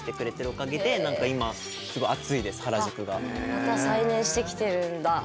また再燃してきてるんだ。